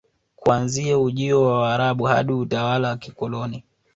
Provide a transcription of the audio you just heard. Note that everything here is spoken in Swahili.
Kuanzia ujio wa Waarabu hadi utawala wa kikoloni